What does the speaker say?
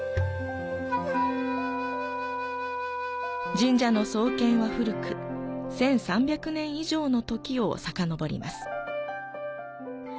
神社の創建は古く、１３００年以上の時をさかのぼります。